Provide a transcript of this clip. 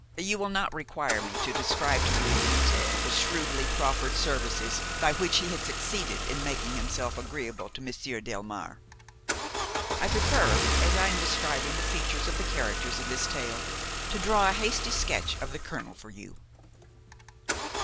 You will not require me to describe to you in detail the shrewdly proffered services by which he had succeeded in making himself agreeable to Monsieur Delmare; I prefer, as I am describing the features of the characters in this tale, to draw a hasty sketch of the colonel for you.